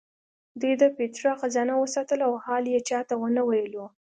دوی د پیترا خزانه وساتله او حال یې چا ته ونه ویلو.